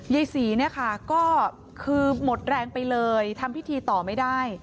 ยายศรีเนี่ยค่ะก็คือหมดแรงไปเลยทำพิธีต่อไม่ได้